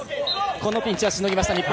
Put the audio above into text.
このピンチをしのぎました日本。